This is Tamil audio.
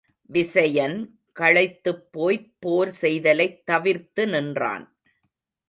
விசயன் களைத்துப் போய்ப் போர் செய்தலைத் தவிர்த்து நின்றான்.